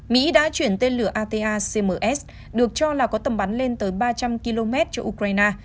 mỹ đã chuyển tên lửa ata cms được cho là có tầm bắn lên tới ba trăm linh km cho ukraine